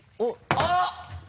あっ！